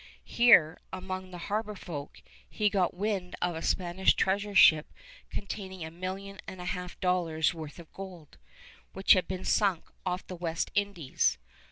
Here, among the harbor folk, he got wind of a Spanish treasure ship containing a million and a half dollars' worth of gold, which had been sunk off the West Indies.